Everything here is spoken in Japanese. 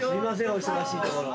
お忙しいところ。